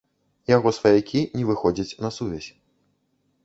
Яго сваякі не выходзяць на сувязь.